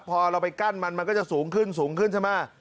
พอเราไปกั้นมันมันก็จะสูงขึ้นจะมา